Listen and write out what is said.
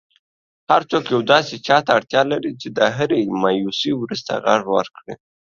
هرڅوک یو داسي چاته اړتیا لري چي د هري مایوسۍ وروسته غیږه ورکړئ.!